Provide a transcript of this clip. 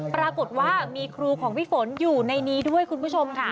ปรากฏว่ามีครูของพี่ฝนอยู่ในนี้ด้วยคุณผู้ชมค่ะ